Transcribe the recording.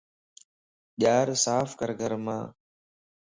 ڄار صاف ڪر گھرمان